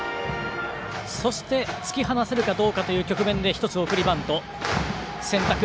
そして突き放せるかどうかという局面で１つ、送りバントを選択。